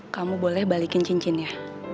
kamu boleh balikin cincinnya